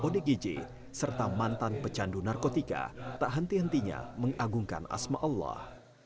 odgj serta mantan pecandu narkotika tak henti hentinya mengagungkan asma allah